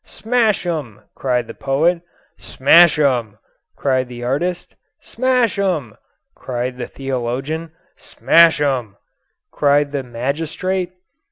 "Smash 'em!" cried the poet. "Smash 'em!" cried the artist. "Smash 'em!" cried the theologian. "Smash 'em!" cried the magistrate.